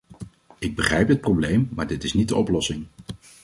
Ik begrijp het probleem, maar dit is niet de oplossing.